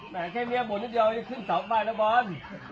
แม่แค่เมียบุญนิดเดียวอย่าขึ้นสอบไปนะบอล